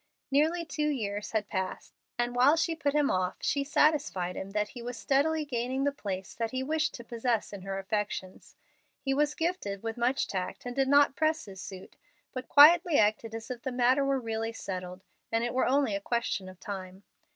Nearly two years had passed, and, while she put him off, she satisfied him that he was steadily gaining the place that he wished to possess in her affections. He was gifted with much tact and did not press his suit, but quietly acted as if the matter were really settled, and it were only a question of time.